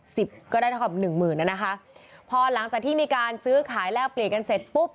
สิบก็ได้ทอมหนึ่งหมื่นน่ะนะคะพอหลังจากที่มีการซื้อขายแลกเปลี่ยนกันเสร็จปุ๊บ